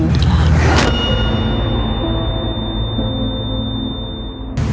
หลาน